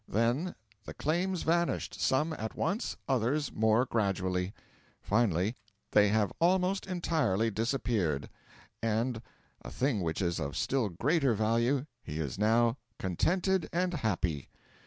Then 'the claims vanished some at once, others more gradually;' finally, 'they have almost entirely disappeared.' And a thing which is of still greater value he is now 'contented and happy.'